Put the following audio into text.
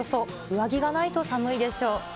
上着がないと寒いでしょう。